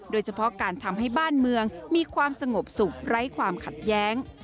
โดยเฉพาะการทำให้บ้านเมืองมีความสงบสุขไร้ความขัดแย้ง